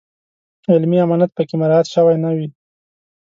علمي امانت په کې مراعات شوی نه وي.